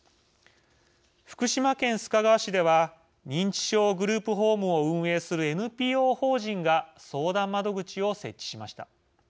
福島県須賀川市では認知症グループホームを運営するＮＰＯ法人が相談窓口を設置しました。